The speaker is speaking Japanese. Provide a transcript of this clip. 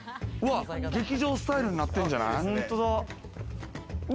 劇場スタイルになってんじゃない？